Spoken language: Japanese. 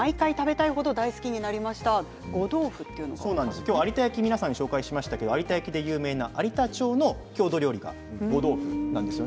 今日は有田焼を皆さんにご紹介しましたが有田焼で有名な有田町の郷土料理が、ごどうふです。